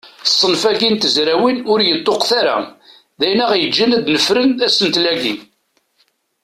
Ṣṣenf-agi n tezrawin ur yeṭṭuqet ara, d ayen aɣ-yeǧǧen ad d-nefren asentel-agi.